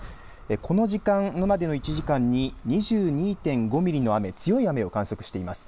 この時間、今までの１時間に２２．５ミリの強い雨を観測しています。